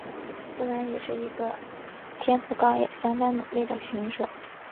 佛兰是一个天赋高也相当努力的选手。